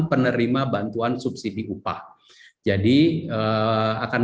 penerima bantuan subsidi upah jadi akan